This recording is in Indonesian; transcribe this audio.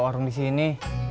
buka warung di sini